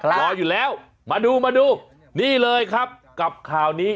รออยู่แล้วมาดูมาดูนี่เลยครับกับข่าวนี้